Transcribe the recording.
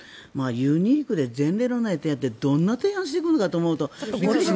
ユニークで前例のない提案ってどんな提案をしてくるのかと。